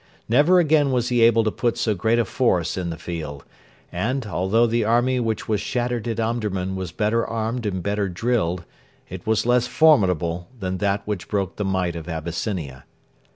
Never again was he able to put so great a force in the field, and, although the army which was shattered at Omdurman was better armed and better drilled, it was less formidable than that which broke the might of Abyssinia.